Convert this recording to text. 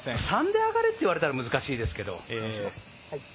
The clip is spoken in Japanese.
３で上がれって言われたら難しいかもしれないですけど。